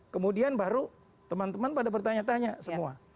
kemudian baru teman teman pada bertanya tanya semua